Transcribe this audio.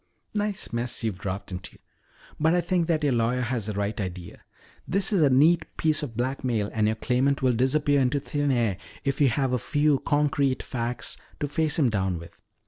"Nice mess you've dropped into. But I think that your lawyer has the right idea. This is a neat piece of blackmail and your claimant will disappear into thin air if you have a few concrete facts to face him down with.